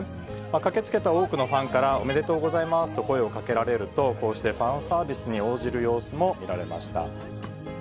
駆けつけた多くのファンからおめでとうございますと声をかけられると、こうしてファンサービスに応じる様子も見られました。